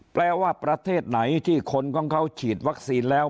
แปลว่าประเทศไหนที่คนของเขาฉีดวัคซีนแล้ว